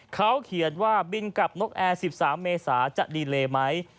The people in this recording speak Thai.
เขาเขียนว่าบินกับนกแอร์๑๓เมษาจะดีเลไหม